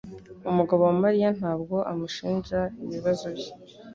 Umugabo wa Mariya ntabwo amushinja ibibazo bye.